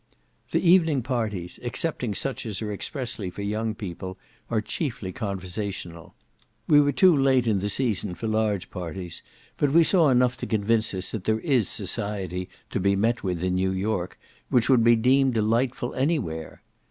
The evening parties, excepting such as are expressly for young people, are chiefly conversational; we were too late in the season for large parties, but we saw enough to convince us that there is society to be met with in New York, which would be deemed delightful any where.